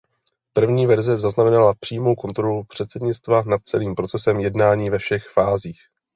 První verze znamenala přímou kontrolu předsednictva nad celým procesem jednání ve všech fázích.